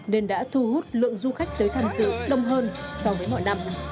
nên đã thu hút lượng du khách tới tham dự đông hơn so với mọi năm